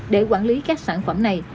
để quản lý các sản phẩm này